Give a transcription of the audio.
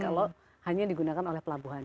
kalau hanya digunakan oleh pelabuhan